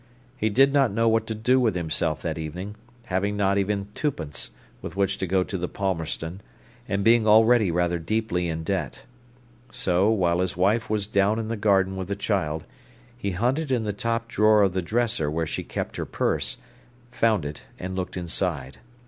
He did not know what to do with himself that evening, having not even twopence with which to go to the Palmerston, and being already rather deeply in debt. So, while his wife was down the garden with the child, he hunted in the top drawer of the dresser where she kept her purse, found it, and looked inside.